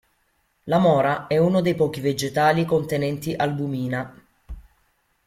La mora è uno dei pochi vegetali contenenti albumina.